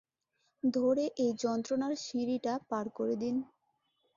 ধরে এই যন্ত্রণার সিঁড়িটা পাড় করে দিন।